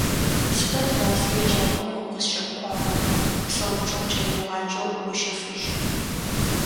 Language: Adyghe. «Сыда тыгъуасэ еджапӀэм укъызкӀэмыкӀуагъэр?», -къысэупчӀыгъ кӀэлэегъаджэу Гощэфыжь.